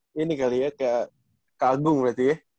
oh ini kali ya kayak kalbung berarti ya